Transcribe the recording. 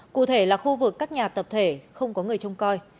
cụ thể là khu vực các nhà tập thể không có người trông coi